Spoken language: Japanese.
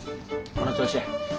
この調子や。